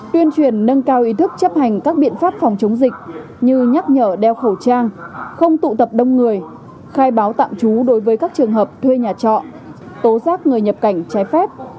tuyên truyền nâng cao ý thức chấp hành các biện pháp phòng chống dịch như nhắc nhở đeo khẩu trang không tụ tập đông người khai báo tạm trú đối với các trường hợp thuê nhà trọ tố giác người nhập cảnh trái phép